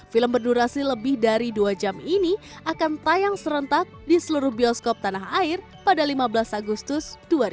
film berdurasi lebih dari dua jam ini akan tayang serentak di seluruh bioskop tanah air pada lima belas agustus dua ribu dua puluh